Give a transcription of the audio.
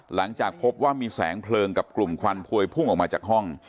หลังจากพบว่ามีแสงเพลิงกับกลุ่มควันพวยพุ่งออกมาจากห้อง